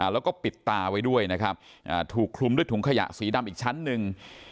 แล้วก็ปิดตาไว้ด้วยนะครับถูกคลุมด้วยถุงขยะสีดำอีกชั้นหนึ่ง